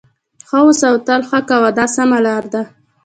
ښه اوسه او تل ښه کوه دا سمه لار ده.